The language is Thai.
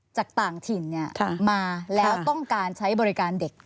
จากต่างถิ่นมาแล้วต้องการใช้บริการเด็ก